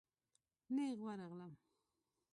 نېغ ورغلم.